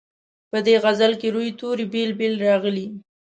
په دې غزل کې روي توري بېل بېل راغلي.